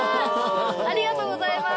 ありがとうございます。